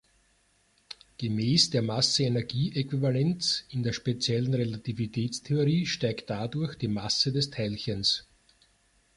Gemäß der Masse-Energie-Äquivalenz in der speziellen Relativitätstheorie steigt dadurch die Masse des Teilchens.